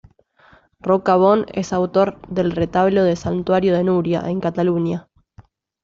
Roca Bon es autor del retablo del santuario de Nuria, en Cataluña.